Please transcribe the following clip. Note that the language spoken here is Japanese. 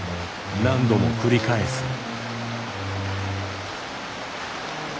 何度も繰り返す。